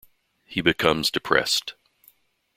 He becomes depressed.